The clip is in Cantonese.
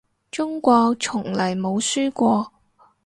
中國從來冇輸過